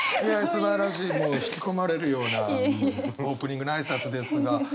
いやすばらしいもう引き込まれるようなオープニングの挨拶ですが。